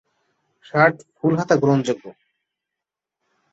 Shirt full হাতা গ্রহণযোগ্য।